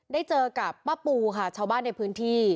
ได้เจอกับป้าปูค่ะชาวบ้านในพื้นที่